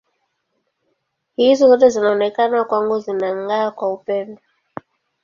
Hizo zote zinaonekana kwangu zinang’aa kwa upendo.